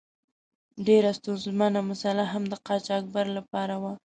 ډیره ستونزمنه مساله هم د قاچاقبر له پاره وه.